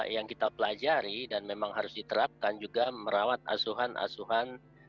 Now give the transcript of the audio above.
yang kita pelajari dan memang harus diterapkan juga merawat asuhan asuhan